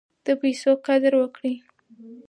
د پیسو قدر وکړئ.